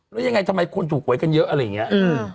แล้วยังไงทำไมคนถูกหวยกันเยอะอะไรอย่างนี้